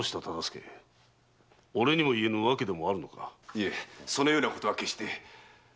いえそのようなことは決して。